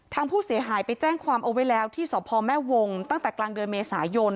ทางผู้เสียหายไปแจ้งความเอาไว้แล้วที่สพแม่วงตั้งแต่กลางเดือนเมษายน